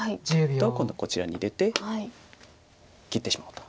今度はこちらに出て切ってしまおうと。